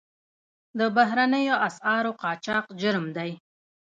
د بهرنیو اسعارو قاچاق جرم دی